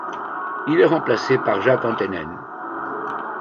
Il est remplacé par Jacques Antenen.